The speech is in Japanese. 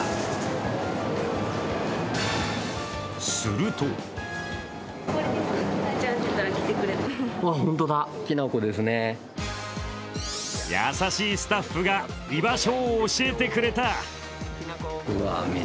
すると優しいスタッフが居場所を教えてくれた。